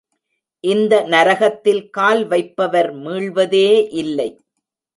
இந்த நரகத்தில் கால் வைப்பவர் மீள்வதே இல்லை.